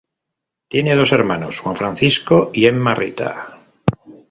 Tiene dos hermanos, Juan Francisco y Emma Rita.